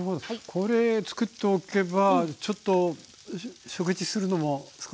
これつくっておけばちょっと食事するのも少し楽になっちゃう。